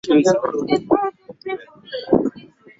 Ni uhalifu na ni kinyume na uoto wa asili